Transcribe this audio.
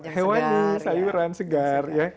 hewani sayuran segar